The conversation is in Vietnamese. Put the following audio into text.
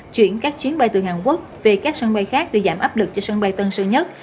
chuyển các chuyến bay từ hàn quốc về các sân bay khác để giảm áp lực cho sân bay tân sơn nhất